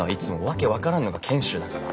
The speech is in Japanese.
訳分からんのが賢秀だから。